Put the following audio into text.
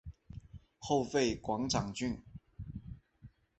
后废广长郡。